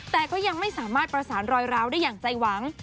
แต่ก็ยังไม่สามารถประสานรอยร้าวได้อย่างใจหวัง